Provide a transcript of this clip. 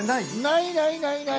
ないないないない！